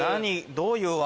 どういう訳？